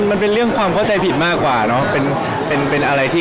ถ้าคนเดี๋ยวสบายใจอยู่กับเราต่อก็อยู่ต่อไปได้